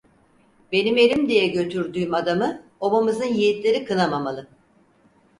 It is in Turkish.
Benim erim diye götürdüğüm adamı obamızın yiğitleri kınamamalı!